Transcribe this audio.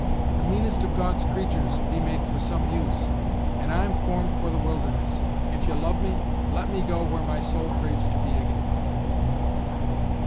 The meanest of God's creatures be made for some use, and I'm formed for the wilderness, If ye love me, let me go where my soul craves to be agin!"